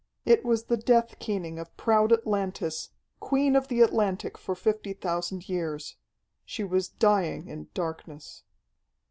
It was the death keening of proud Atlantis, Queen of the Atlantic for fifty thousand years. She was dying in darkness.